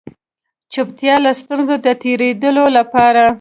چوپتيا له ستونزو د تېرېدلو لپاره